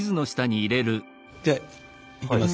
じゃあいきます。